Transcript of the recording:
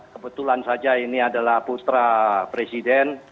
kebetulan saja ini adalah putra presiden